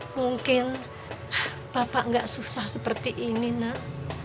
mungkin bapak nggak susah seperti ini nak